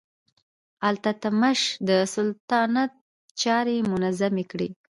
التتمش د سلطنت چارې منظمې کړې.